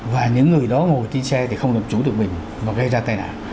và những người đó ngồi trên xe thì không làm chủ được mình mà gây ra tai nạn